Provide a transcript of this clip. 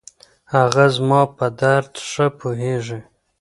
هغه زما په درد ښه پوهېږي.